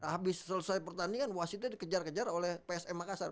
habis selesai pertandingan wasitnya dikejar kejar oleh psm makassar